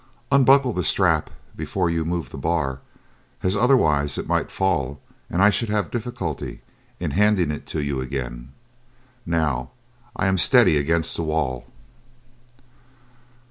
Unbuckle the strap before you move the bar, as otherwise it might fall and I should have difficulty in handing it to you again. Now, I am steady against the wall."